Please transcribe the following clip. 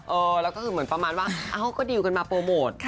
เออแล้วก็คือเหมือนประมาณว่าเอ้าก็ดีลกันมาโปรโมท